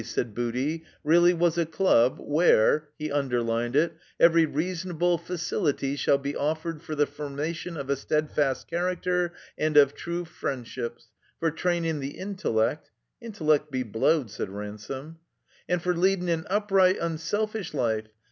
said Booty, ''really was a Club, * where ^*" he underlined it, " 'every reasonable fa cil'ty shall bee offered fer the formation of a stead fast character, and — oj — ^true friendships ; fer trainin' the intellec'— '" ''Int'lec' be blowed," said Ransome. *''And fer leadin' an upright, unselfish life.